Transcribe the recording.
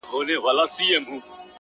زه هم دا ستا له لاسه؛